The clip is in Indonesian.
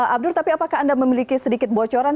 abdur tapi apakah anda memiliki sedikit bocoran